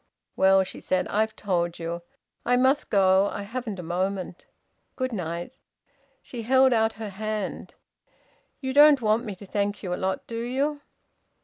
"Well," she said. "I've told you. I must go. I haven't a moment. Good night." She held out her hand. "You don't want me to thank you a lot, do you?"